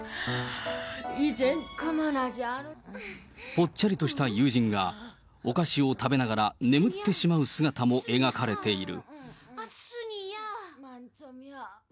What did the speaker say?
ぽっちゃりとした友人が、お菓子を食べながら眠ってしまう姿も描かれている。